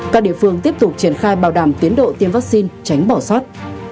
các địa phương tiếp tục triển khai bảo đảm tiến độ tiêm vaccine tránh bỏ sót